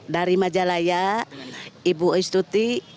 dari majalaya ibu istuti